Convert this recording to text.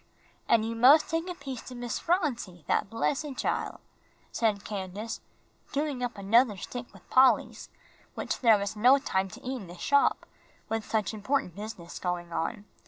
"An' you must take a piece to Miss Phronsie, dat bressed chile," said Candace, doing up another stick with Polly's, which there was no time to eat in the shop, with such important business going on.